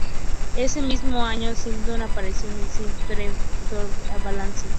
Ese mismo año Simon apareció en el film "The Man Who Shot Liberty Valance".